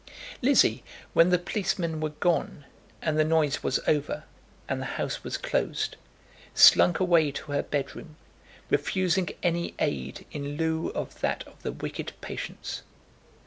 Lizzie, when the policemen were gone, and the noise was over, and the house was closed, slunk away to her bedroom, refusing any aid in lieu of that of the wicked Patience.